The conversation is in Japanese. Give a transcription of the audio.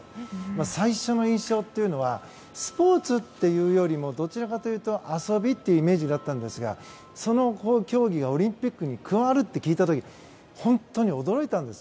最初の印象っていうのはスポーツというよりもどちらかというと遊びというイメージだったんですがその競技がオリンピックに加わるって聞いた時本当に驚いたんです。